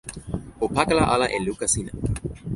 o pakala ala e luka sina.